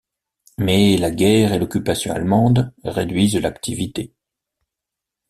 Mais la guerre et l'occupation allemande réduisent l'activité.